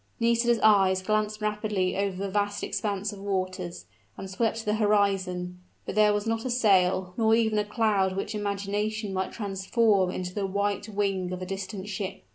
Nisida's eyes glanced rapidly over the vast expanse of waters, and swept the horizon: but there was not a sail, nor even a cloud which imagination might transform into the white wing of a distant ship.